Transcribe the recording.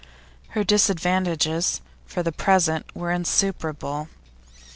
Her disadvantages, for the present, were insuperable.